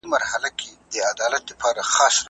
په اپریل کې پاچا خپل ځواک د بالاحصار په ختیځ کې ولید.